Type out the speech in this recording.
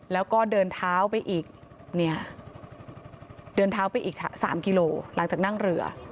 แล้วก็เดินเท้าไปอีก๓กิโลเมตรหลังจากนั้นเหลือ